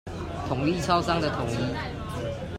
統一超商的統一